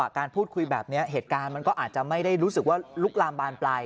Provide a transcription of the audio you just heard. พอจังหวะการพูดคุยแบบนี้เหตุการณ์ก็อาจไม่ได้รู้ฤวาลูกลามบานปลาย